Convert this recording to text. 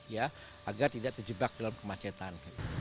ya agar tidak terjebak dalam kemacetan